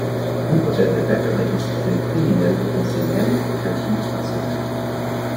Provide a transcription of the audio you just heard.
L'hypothèse de Becker est ici que les criminels font ces mêmes calculs rationnels.